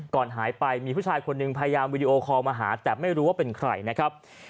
ก่อนหายไปมีผู้ชายคนหนึ่งพยายามวิดีโอคอลมาหาแต่ไม่รู้ว่าเป็นใครนะครับ